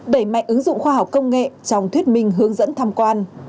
đẩy mạnh ứng dụng khoa học công nghệ trong thuyết minh hướng dẫn tham quan